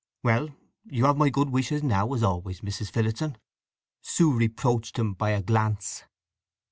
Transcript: "Well, you have my good wishes now as always, Mrs. Phillotson." She reproached him by a glance.